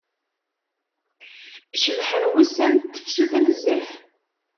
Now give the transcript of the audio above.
Cebḥen wussan n tefsut nezzeh.